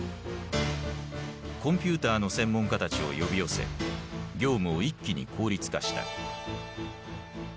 コンピューターの専門家たちを呼び寄せ業務を一気に効率化した。